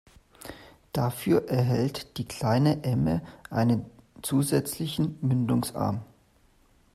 Dafür erhält die Kleine Emme einen zusätzlichen Mündungsarm.